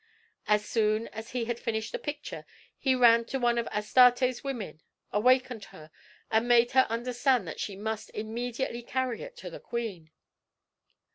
As soon as he had finished the picture he ran to one of Astarte's women, awakened her, and made her understand that she must immediately carry it to the queen.